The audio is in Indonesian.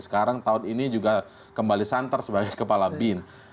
sekarang tahun ini juga kembali santer sebagai kepala bin